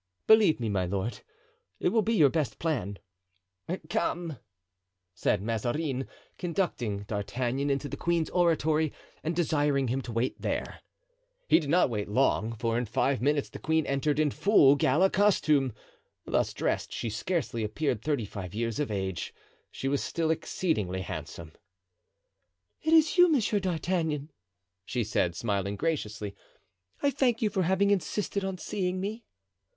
"Believe me, my lord, it will be your best plan." "Come," said Mazarin, conducting D'Artagnan into the queen's oratory and desiring him to wait there. He did not wait long, for in five minutes the queen entered in full gala costume. Thus dressed she scarcely appeared thirty five years of age. She was still exceedingly handsome. "It is you, Monsieur D'Artagnan," she said, smiling graciously; "I thank you for having insisted on seeing me."